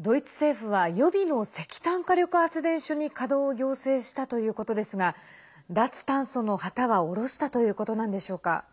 ドイツ政府は予備の石炭火力発電所に稼働を要請したということですが脱炭素の旗は降ろしたということなんでしょうか。